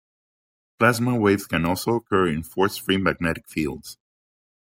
Plasma waves can also occur in force-free magnetic fields.